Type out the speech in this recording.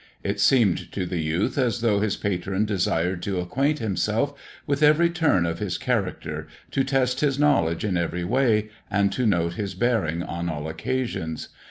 It seemed to the youth as though his patron desired to acquaint himself with every turn of his character, to test his knowledge in every way, and to note Bis bearing on all occasions.